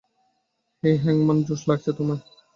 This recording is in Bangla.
হেই, হ্যাংম্যান, জোশ লাগছে তোমায়।